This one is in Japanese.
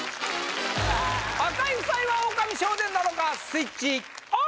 赤井夫妻はオオカミ少年なのかスイッチオン！